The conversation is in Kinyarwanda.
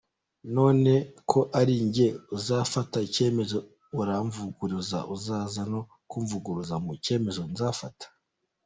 None ko ari njye uzafata icyemezo uramvuguruza uzaza no kumvuguruza mu cyemezo nzafata.